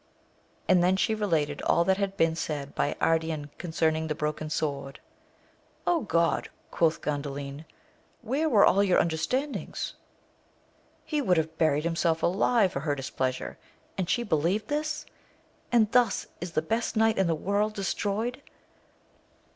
And then she related all that had been said by Ardian concerning the broken sword. God ! quoth Gandalin, where were all your understandings ? he would have buried himself alive for her displeasure ! and she believed this ! and thus is the best knight in the world destroyed